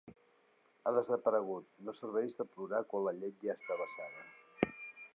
Ha desaparegut, no serveix de plorar quan la llet ja està vessada.